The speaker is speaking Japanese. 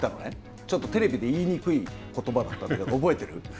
ちょっとテレビで言いにくいことばだったんだけどはい、覚えてます。